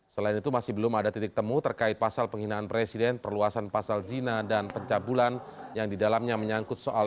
selain itu masih belum ada titik temu terkait pasal penghinaan presiden perluasan pasal zina dan pencabulan yang didalamnya menyangkut soal